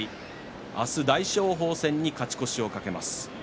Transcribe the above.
明日、大翔鵬戦に勝ち越しを懸けます。